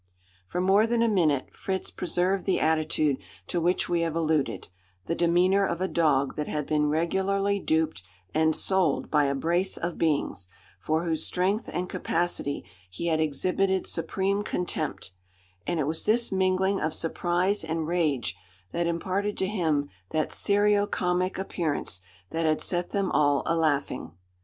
For more than a minute Fritz preserved the attitude to which we have alluded: the demeanour of a dog that had been regularly duped and "sold" by a brace of beings, for whose strength and capacity he had exhibited supreme contempt; and it was this mingling of surprise and rage that imparted to him that serio comic appearance that had set them all a laughing.